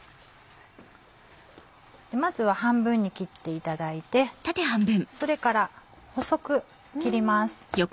まずは半分に切っていただいてそれから細く切ります。